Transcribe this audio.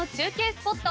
スポット